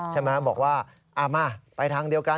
ใช่ไหมบอกว่ามาไปทางเดียวกัน